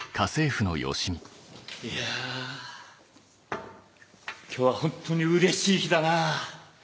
いや今日はホントにうれしい日だなぁ！